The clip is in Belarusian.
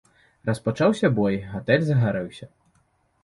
Распачаўся бой, гатэль загарэўся.